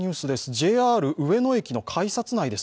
ＪＲ上野駅の改札内です。